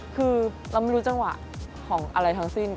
คือเราไม่รู้จังหวะของอะไรทั้งสิ้น